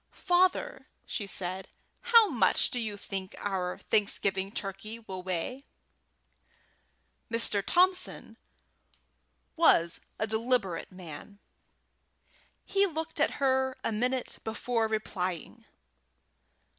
"Father," said she, "how much do you think our Thanksgiving turkey will weigh?" Mr. Thompson was a deliberate man. He looked at her a minute before replying.